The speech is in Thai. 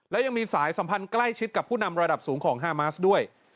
และยังมีสายสัมพันธ์ใกล้ชิดกับผู้นำระดับสูงของฮามาสด้วย